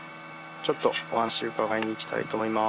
ちょっとお話伺いに行きたいと思います。